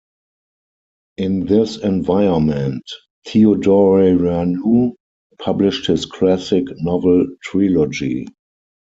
In this environment, Teodoreanu published his classic novel trilogy.